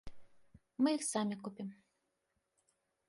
Мы іх самі купім.